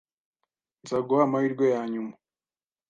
Nzaguha amahirwe yanyuma.